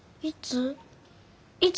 いつ？